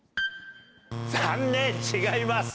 残念違います。